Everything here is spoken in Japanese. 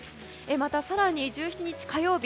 また更に１７日火曜日